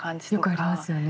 よくありますよね。